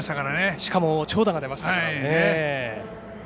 しかも長打が出ましたからね。